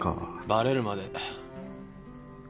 バレるまで。